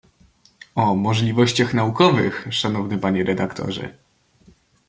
"„O możliwościach naukowych“ Szanowny Panie Redaktorze!"